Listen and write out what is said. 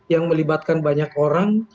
yang melibatkan banyak orang